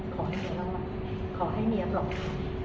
ขอให้เมียรอขอให้เมียปลอบความ